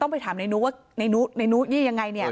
ต้องไปถามนายนุว่านายนุนายนุนี่ยังไงเนี้ย